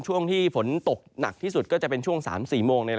ช่วงที่ฝนตกหนักที่สุดก็จะเป็นช่วง๓๔โมง